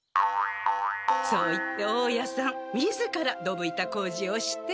そう言って大家さんみずから溝板工事をして。